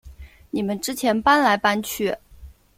你们之前搬来搬去